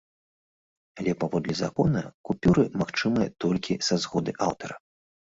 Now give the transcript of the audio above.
Але, паводле закона, купюры магчымыя толькі са згоды аўтара.